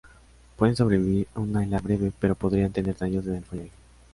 Pueden sobrevivir a una helada breve, pero podrían tener daños en el follaje.